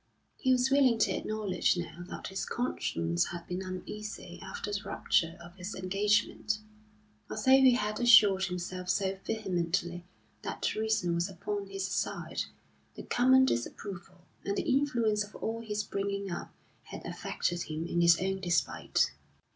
He was willing to acknowledge now that his conscience had been uneasy after the rupture of his engagement: although he had assured himself so vehemently that reason was upon his side, the common disapproval, and the influence of all his bringing up, had affected him in his own despite.